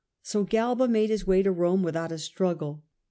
So Galba made his way to Rome without a struggle.